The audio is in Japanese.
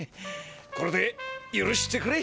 これでゆるしてくれ。